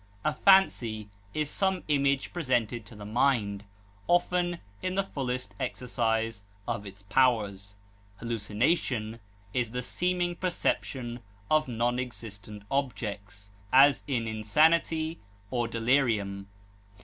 A fancy is some image presented to the mind, often in the fullest exercise of its powers. Hallucination is the seeming perception of non existent objects, as in insanity or delirium.